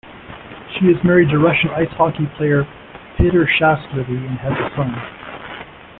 She is married to Russian ice hockey player Petr Schastlivy and has a son.